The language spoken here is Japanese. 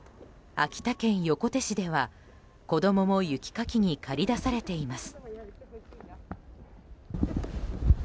秋田県横手市では、子供も雪かきに駆り出されています。